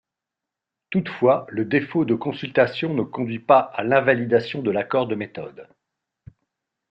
Toutefois, le défaut de consultation ne conduit pas à l'invalidation de l'accord de méthode.